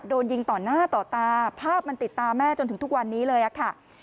โดนยิงต่อหน้าต่อตาภาพมันติดตาแม่จนถึงทุกวันนี้เลยค่ะ